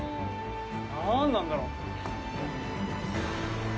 何なんだろう。